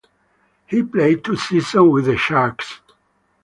He played two seasons with the Sharks.